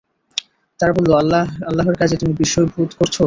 তারা বলল, আল্লাহর কাজে তুমি বিস্ময় বোধ করছ?